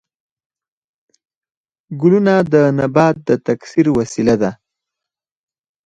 ګلونه د نبات د تکثیر وسیله ده